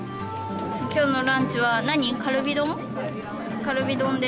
今日のランチは何カルビ丼？